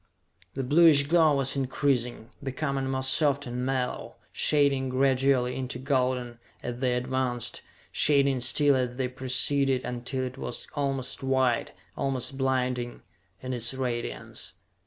The bluish glow was increasing, becoming more soft and mellow, shading gradually into golden, as they advanced shading still as they preceded until it was almost white, almost blinding, in its radiance.